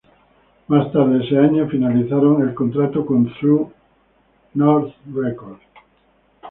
Más tarde ese año finalizaron contrato con True North Records.